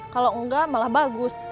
kalau enggak malah bagus